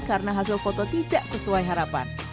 karena hasil foto tidak sesuai harapan